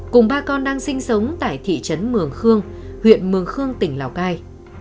cùng ba con đang sinh sống tại thị trấn mường khương huyện mường khương tỉnh lào cai